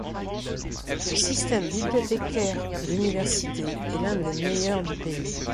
Le système bibliothécaire de l'université est l'un des meilleurs du pays.